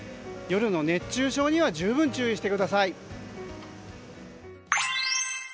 夜の熱中症には十分注意してください。